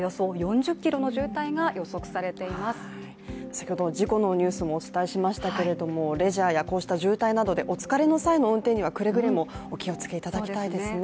先ほど事故のニュースもお伝えしましたけれどもレジャーやこうした渋滞などでお疲れの際の運転にはくれぐれもお気をつけいただきたいですね。